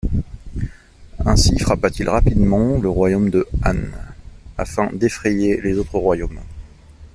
Ainsi frappa-t-il rapidement le royaume de Han afin d'effrayer les autres royaumes.